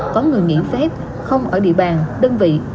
có người nghĩ phép không ở địa bàn đơn vị thì cũng phải có tính toán